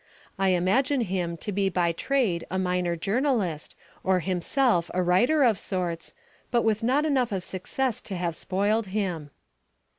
I imagine him to be by trade a minor journalist or himself a writer of sorts, but with not enough of success to have spoiled him.